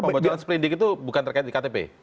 pembocoran sepilindik itu bukan terkait e ktp